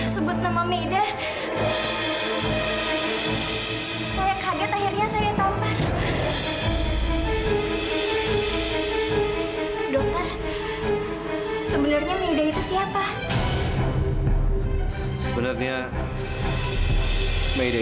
sebut nama meida saya kaget akhirnya saya tampar dokter sebenarnya meida itu siapa sebenarnya meida